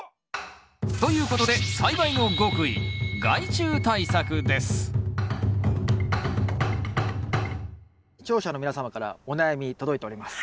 ということで視聴者の皆様からお悩み届いております。